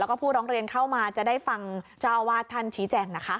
แล้วก็ผู้ร้องเรียนเข้ามาจะได้ฟังเจ้าอาวาสท่านชี้แจงนะคะ